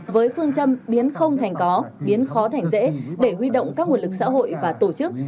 với phương châm biến không thành có biến khó thành dễ để huy động các nguồn lực xã hội và tổ chức